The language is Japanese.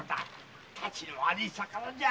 質の悪い魚じゃ！